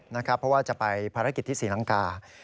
เพราะว่าจะไปภารกิจที่ศรีลังกา